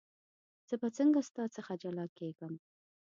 زه به څنګه ستا څخه جلا کېږم.